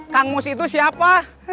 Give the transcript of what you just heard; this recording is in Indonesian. kang mus itu siapa